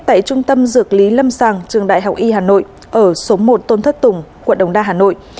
tại trung tâm dược lý lâm sàng trường đại học y hà nội ở số một tôn thất tùng quận đồng đa hà nội